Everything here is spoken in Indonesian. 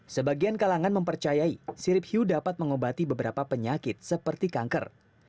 sebagian kalangan mempercayai sirip hiu dapat mengobati beberapa penyakit seperti kanker